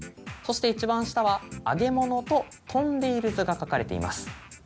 そして一番下は揚げ物と飛んでいる図が描かれています。